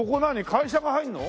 会社が入るの？